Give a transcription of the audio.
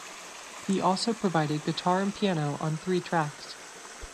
He also provided guitar and piano on three tracks.